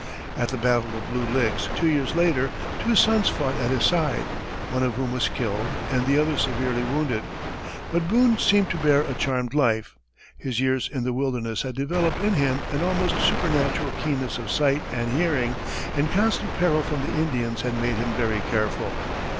At the battle of Blue Licks, two years later, two sons fought at his side, one of whom was killed and the other severely wounded. But Boone seemed to bear a charmed life. His years in the wilderness had developed in him an almost supernatural keenness of sight and hearing; and constant peril from the Indians had made him very careful.